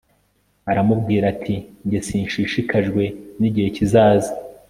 aramubwira ati jye sinshishikajwe n igihe kizaza